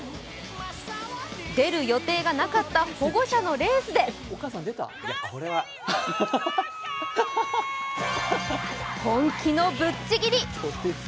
出る予定がなかった保護者のレースで本気のぶっちぎり。